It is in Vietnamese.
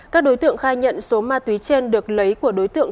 các đối tượng khai nhận số ma túy trên được lấy của đối tượng